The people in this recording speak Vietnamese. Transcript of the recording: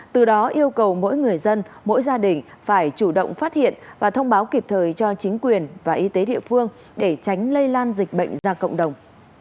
từ đó yêu cầu mỗi người dân mỗi gia đình phải chủ động phát hiện và thông báo kịp thời cho chính quyền và y tế địa phương để tránh lây lan dịch bệnh ra cộng đồng